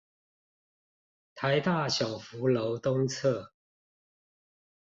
臺大小福樓東側